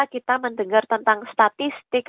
kita mendengar tentang statistik